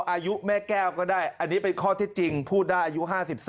อายุแม่แก้วก็ได้อันนี้เป็นข้อเท็จจริงพูดได้อายุ๕๓